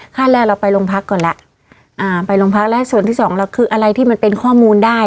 ขั้นแรกเราไปโรงพักก่อนแล้วอ่าไปโรงพักแล้วส่วนที่สองเราคืออะไรที่มันเป็นข้อมูลได้